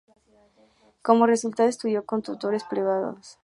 Como resultado, estudió con tutores privados.